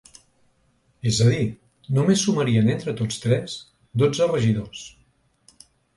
És a dir, només sumarien entre tots tres dotze regidors.